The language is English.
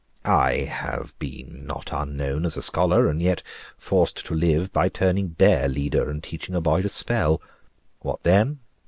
I have been not unknown as a scholar, and yet forced to live by turning bear leader, and teaching a boy to spell. What then?